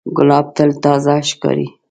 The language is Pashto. ګلاب تل تازه ښکاري.